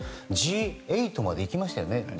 実際はＧ８までいきましたよね。